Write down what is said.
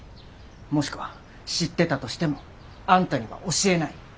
もしくは知ってたとしてもあんたには教えない。